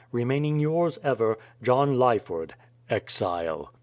Remaining vours ever, JOHN LYFORD, Exile.